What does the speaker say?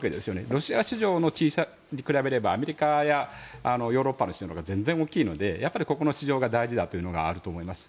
ロシア市場の小ささに比べればアメリカやヨーロッパの市場のほうが全然大きいのでやっぱりここの市場が大事だというのがあります。